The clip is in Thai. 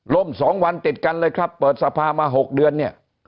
๒วันติดกันเลยครับเปิดสภามา๖เดือนเนี่ย